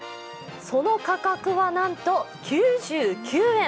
その価格はなんと９９円！